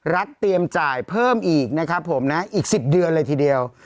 เตรียมจ่ายเพิ่มอีกนะครับผมนะอีก๑๐เดือนเลยทีเดียว